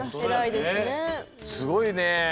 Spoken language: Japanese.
すごいね。